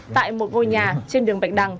tại một ngôi nhà trên đường bạch đằng